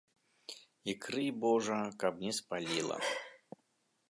І крый божа, каб не спаліла!